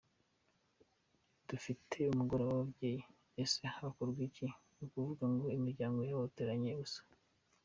Dufite imigoroba y’ababyeyi, ese hakorwamo iki, ni ukuvuga ngo imiryango yahohoteranye gusa.